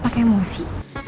buat apa nih gue